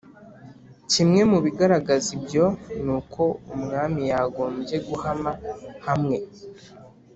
Kimwe mu bigaragaza ibyo ni uko umwami yagombye guhama hamwe,